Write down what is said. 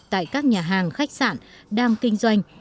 tại các nhà hàng khách sạn đam kinh doanh